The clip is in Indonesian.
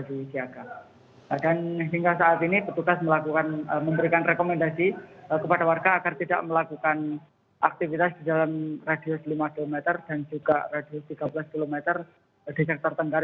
dan hingga saat ini petugas memberikan rekomendasi kepada warga agar tidak melakukan aktivitas di jalan radius lima km dan juga radius tiga belas km di sektor tengkar